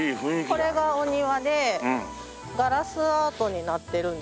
これがお庭でガラスアートになってるんですよ。